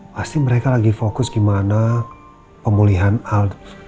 pasti mereka lagi fokus gimana pemulihan aldi